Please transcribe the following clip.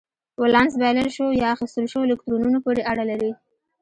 ولانس بایلل شوو یا اخیستل شوو الکترونونو پورې اړه لري.